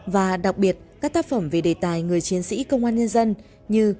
và đặc biệt các tác phẩm về đề tài người chiến sĩ công an nhân dân như